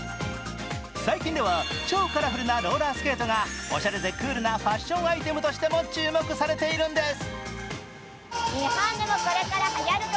最近では、超カラフルなローラースケートがおしゃれでクールなファッションアイテムとしても注目されているんです。